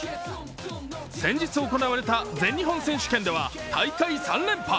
先日行われた全日本選手権では大会３連覇。